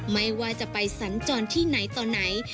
ไม่ว่าจะไปสัญจรที่ไหนต่อไหน